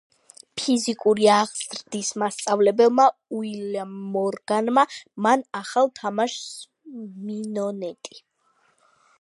ფიზიკური აღზრდის მასწავლებელმა უილიამ მორგანმა. მან ახალ თამაშს „მინონეტი“